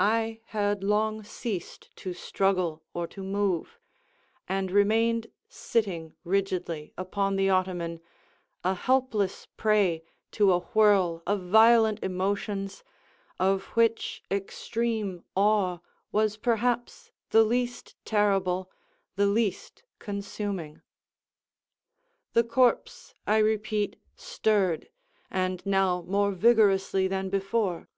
I had long ceased to struggle or to move, and remained sitting rigidly upon the ottoman, a helpless prey to a whirl of violent emotions, of which extreme awe was perhaps the least terrible, the least consuming. The corpse, I repeat, stirred, and now more vigorously than before.